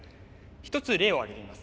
一つ例を挙げてみます。